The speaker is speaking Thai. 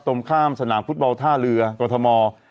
ตรงข้ามสนามฟุตบอลท่าเรือกรทม